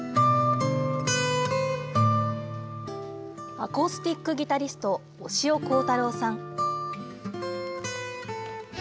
アコースティックギタリスト、押尾コータローさん。